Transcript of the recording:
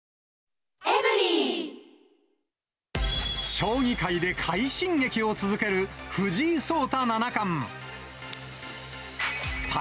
将棋界で快進撃を続ける藤井聡太七冠。